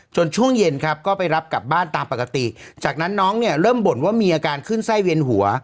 ช่วงเย็นครับก็ไปรับกลับบ้านตามปกติจากนั้นน้องเนี่ยเริ่มบ่นว่ามีอาการขึ้นไส้เวียนหัว